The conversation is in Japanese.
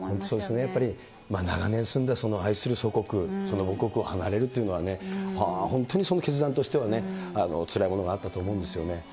そうですよね、やっぱり長年住んだ愛する祖国、その母国を離れるというのは、本当にその決断としては、つらいものがあったと思うんですよね。